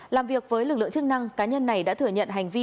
làm việc với lực lượng chức năng cá nhân này đã thừa nhận hành vi